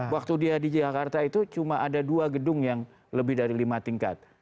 waktu dia di jakarta itu cuma ada dua gedung yang lebih dari lima tingkat